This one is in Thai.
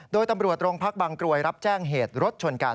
โดยตำรวจโรงพักบางกรวยรับแจ้งเหตุรถชนกัน